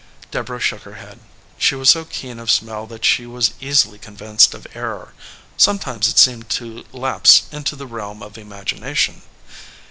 Deborah shook her head. She was so keen of smell that she was easily convinced of error. Sometimes it seemed to lapse into the realm of imagination.